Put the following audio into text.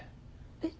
えっ？